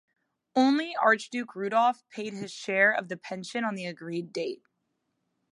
Only Archduke Rudolph paid his share of the pension on the agreed date.